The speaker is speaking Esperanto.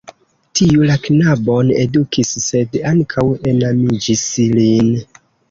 Tiu la knabon edukis, sed ankaŭ enamiĝis lin.